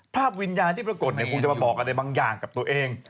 วิญญาณที่ปรากฏคงจะมาบอกอะไรบางอย่างกับตัวเอง